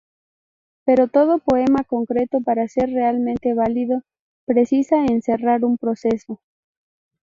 Pero todo poema concreto, para ser realmente válido, precisa encerrar un proceso".